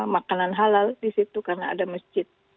makanan halal di situ karena ada masjid